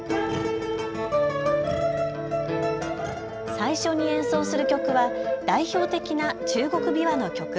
最初に演奏する曲は代表的な中国琵琶の曲。